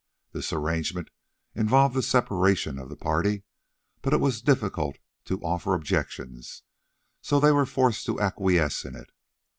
This arrangement involved the separation of the party, but it was difficult to offer objections, so they were forced to acquiesce in it.